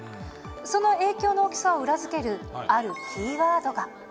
その影響の大きさを裏付けるあるキーワードが。